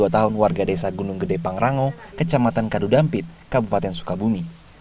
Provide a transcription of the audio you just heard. dua tahun warga desa gunung gede pangrango kecamatan kadudampit kabupaten sukabumi